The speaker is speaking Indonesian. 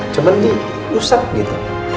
cuman diusap gitu